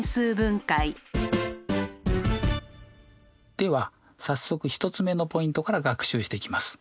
では早速１つ目のポイントから学習していきます。